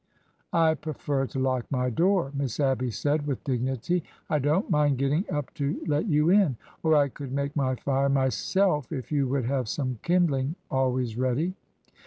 " I prefer to lock my door," Miss Abby said, with dig nity. '' I don't mind getting up to let you in. Or I could make my fire myself if you would have some kindling always ready."